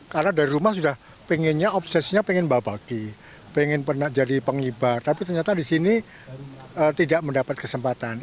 karena dari rumah sudah pengennya obsesnya pengen membawa baki pengen pernah jadi pengibar tapi ternyata di sini tidak mendapat kesempatan